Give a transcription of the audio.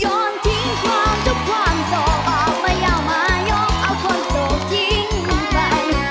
ยอดทิ้งความทุกความส่องอาภัยมายล้มเอาความสูงจริงไป